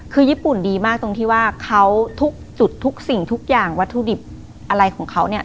คือญี่ปุ่นดีมากตรงที่ว่าเขาทุกจุดทุกสิ่งทุกอย่างวัตถุดิบอะไรของเขาเนี่ย